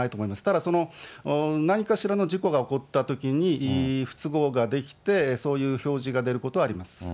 ただその、何かしらの事故が起こったときに、不都合ができて、そういう表示が出ることはあります。